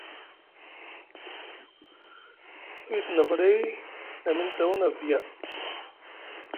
Suwi te nafa ɗay na miŋ tawuna via.